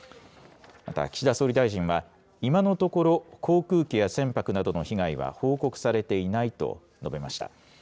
また岸田総理大臣は今のところ航空機や船舶などの被害は報告されていないと述べました。